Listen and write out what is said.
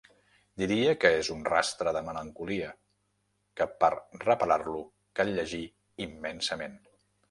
Diria que és un rastre de melancolia, que per reparar-lo cal llegir immensament.